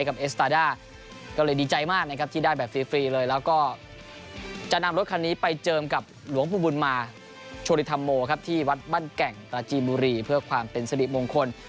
เอสตาด้าก็เลยดีใจมากนะครับที่ได้แบบฟรีเลยแล้วก็จะนำรถคันนี้ไปเจิมกับหลวงปู่บุญมาโชริธรรมโมครับที่วัดบ้านแก่งปราจีนบุรีเพื่อความเป็นสิริมงคล